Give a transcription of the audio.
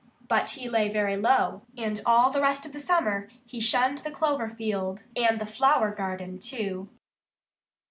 But he lay very low. And all the rest of the summer he shunned the clover field and the flower garden, too.